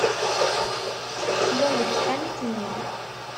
Lliɣ deg tḥanut-nni.